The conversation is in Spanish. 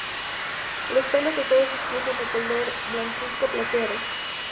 Los pelos de todos sus pies son de color blancuzco-plateado.